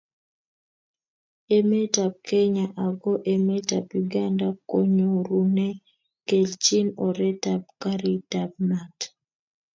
Emetab Kenya ako emetab Uganda konyorunee kelchin oretab gariitab maat.